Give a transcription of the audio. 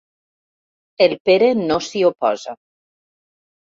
El Pere no s'hi oposa.